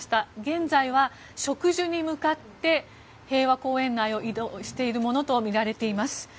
現在は、植樹に向かって平和公園内を移動しているものとみられています。